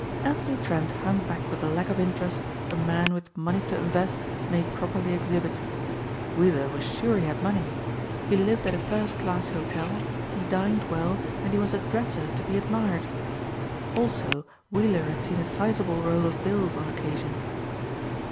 Anthony Trent hung back with the lack of interest a man with money to invest may properly exhibit. Weiller was sure he had money. He lived at a first class hotel, he dined well and he was a "dresser" to be admired. Also Weiller had seen a sizeable roll of bills on occasion.